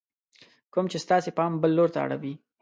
کوم چې ستاسې پام بل لور ته اړوي :